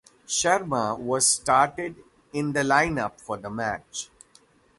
Sharma was started in the lineup for the match.